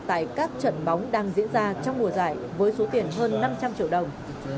tại các trận bóng đang diễn ra trong mùa giải với số tiền hơn năm trăm linh triệu đồng